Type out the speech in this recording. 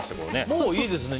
もういいですね。